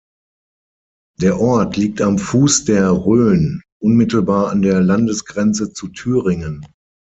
Der Ort liegt am Fuß der Rhön unmittelbar an der Landesgrenze zu Thüringen.